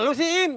alah alah si im